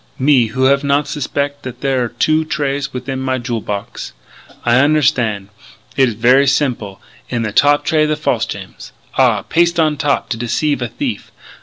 Me who have not suspec' that there are two trays within my jewel box!... I unnerstan'. It is ver' simple. In the top tray the false gems. Ah! Paste on top to deceive a thief!...